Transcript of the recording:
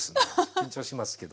緊張しますけど。